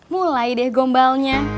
mulai deh gombalnya